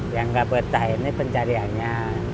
yang nggak betah ini pencariannya